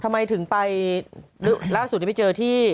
ทำไมถึงไปล่าสุดไปเจอที่